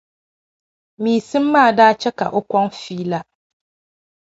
Meesim maa da chɛm'ka o kɔŋ feela.